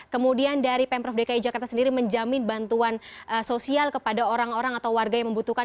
kemudian dari pemprov dki jakarta sendiri menjamin bantuan sosial kepada orang orang atau warga yang membutuhkan